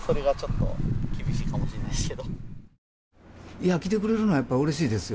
いや来てくれるのはやっぱ嬉しいですよ。